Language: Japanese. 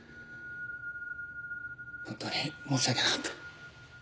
本当に申し訳なかった。